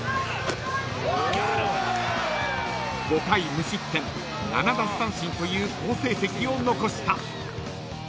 ［５回無失点７奪三振という好成績を残した］